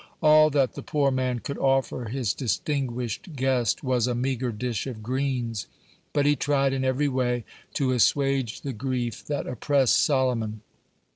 All that the poor man could offer his distinguished guest was a meagre dish of greens. But he tried in every way to assuage the grief that oppressed Solomon.